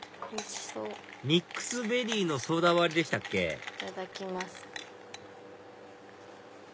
ミックスベリーのソーダ割りでしたっけいただきます。